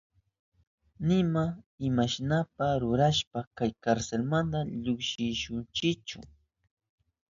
Nima imashnapas rurashpa kay karselmanta llukshishunchichu.